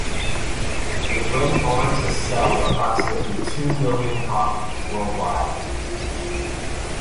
It went on to sell approximately two million copies worldwide.